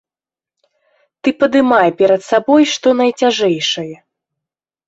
Ты падымай перад сабой што найцяжэйшае.